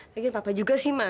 lagi papa juga sih ma